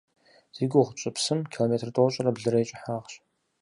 Зи гугъу тщӏы псым километр тӏощӏрэ блырэ и кӀыхьагъщ.